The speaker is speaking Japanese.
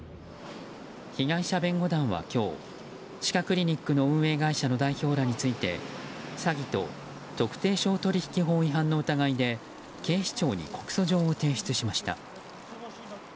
被害者弁護団は今日歯科クリニックの運営会社の代表について詐欺と特定商取引法違反の疑いで警視庁に告訴状を提出しました。